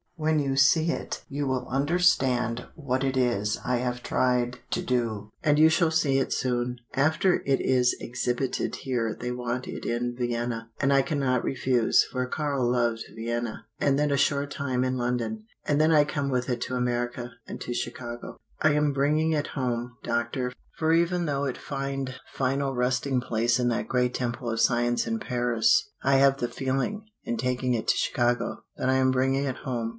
When you see it you will understand what it is I have tried to do. And you shall see it soon. After it is exhibited here they want it in Vienna, and I cannot refuse, for Karl loved Vienna, and then a short time in London, and then I come with it to America, and to Chicago. I am bringing it home, Doctor, for even though it find final resting place in that great temple of science in Paris, I have the feeling, in taking it to Chicago, that I am bringing it home.